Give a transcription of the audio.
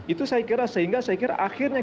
itu saya kira sehingga akhirnya